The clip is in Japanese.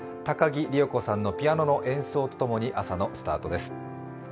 高木里代子さんのピアノの演奏とともに朝のスタートです。